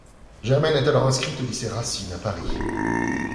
Germaine est alors inscrite au lycée Racine à Paris.